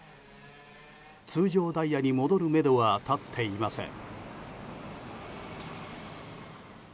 通常ダイヤに戻るめどは立っていません。